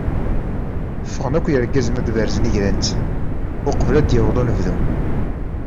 Ffɣen akk yergazen ad berzen igran-nsen uqbel ad d-yaweḍ unebdu.